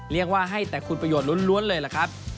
เรียกว่าให้แต่คุณประโยชน์ล้วนเลยล่ะครับ